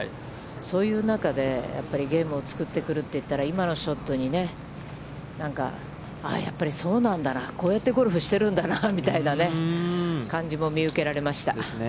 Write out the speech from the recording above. そういう中で、やっぱりゲームを作ってくるといったら今のショットに、ああ、やっぱりそうなんだな、こうやってゴルフしてるんだなみたいな感じも見受けられました。